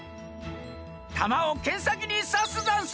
たまをけんさきにさすざんす！